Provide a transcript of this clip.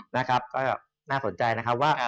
นะครับก็น่าสนใจนะครับว่า